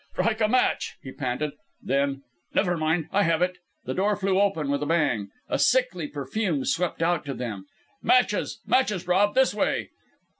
"Strike a match!" he panted. Then "Never mind I have it!" The door flew open with a bang. A sickly perfume swept out to them. "Matches! matches, Rob! this way!"